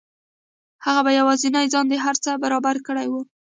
هغه په یوازې ځان دا هر څه برابر کړي وو